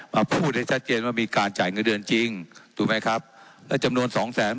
มาพูดให้ชัดเจนว่ามีการจ่ายเงินเดือนจริงถูกไหมครับแล้วจำนวนสองแสน